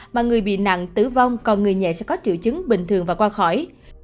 mà người bị nặng tử vong còn người nhẹ sẽ có triệu chứng bình thường và qua khỏi